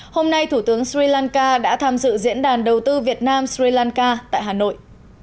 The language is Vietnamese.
hôm nay thủ tướng sri lanka đã tham dự diễn đàn đầu tư việt nam sri lanka tại hà nội